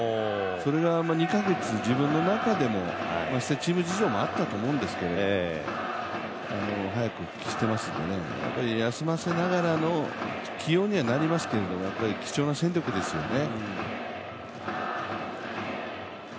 それが２か月、自分のところでもチーム事情もあったと思うんですけど、早くしてますけど休ませながらの起用にはなりますけど貴重な戦力ですよね。